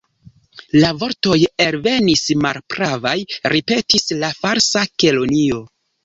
"La vortoj elvenis malpravaj," ripetis la Falsa Kelonio.